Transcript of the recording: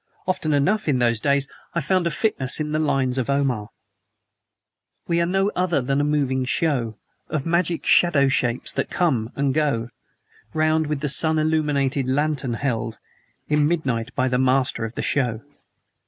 Often enough, in those days, I found a fitness in the lines of Omar: We are no other than a moving show Of Magic Shadow shapes that come and go Round with the Sun illumined Lantern held In Midnight by the Master of the Show.